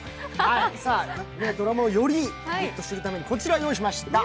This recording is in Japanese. ドラマをより知るためにこちらをご用意しました。